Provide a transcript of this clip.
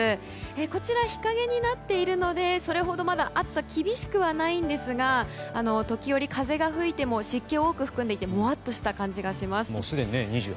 こちら日陰になっているのでそれほど暑さ厳しくはないんですが時折、風が吹いても湿気を多く含んでいてもわっとした感じがします。